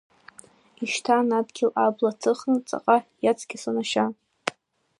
Ишьҭан адгьыл абла ҭыхны, ҵаҟа иаҵкьасон ашьа…